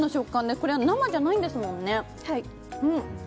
これは生じゃないんですもんね。